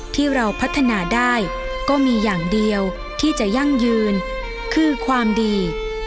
ที่เราพัฒนาได้ก็มีอย่างเดียวที่จะยั่งยืนคือความดี